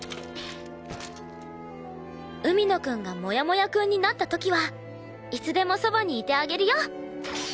海野くんがモヤモヤくんになった時はいつでもそばにいてあげるよ。